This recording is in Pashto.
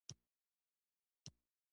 روژه د زړه پاکوالی راوړي.